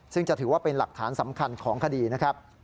ซึ่งจะถือว่าเป็นหลักฐานสำคัญของคดีนะครับ